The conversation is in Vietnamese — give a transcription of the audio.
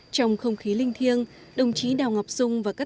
trong không khí linh thiêng đồng chí đào ngọc dung và các